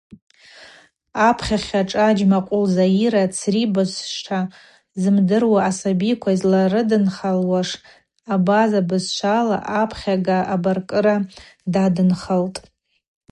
Апхьахьа шӏа Джьмакъвыл Заира цри бызшва зымдыруа асабиква йызларыдынхалуаш абаза бызшвала апхьага абаркӏыра дадынхалтӏ.